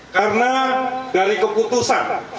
karena dari keputusan